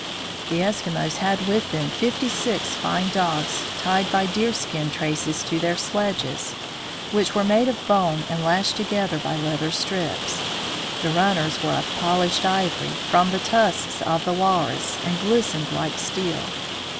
The Eskimos had with them fifty six fine dogs, tied by deerskin traces to their sledges, which were made of bone and lashed together by leather strips. The runners were of polished ivory, from the tusks of the walrus, and glistened like stael.